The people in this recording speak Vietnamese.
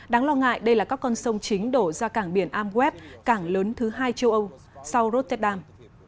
đáng lo ngại đây là các con sông chính đổ ra cảng biển amweb cảng lớn thứ hai châu âu sau rotterdam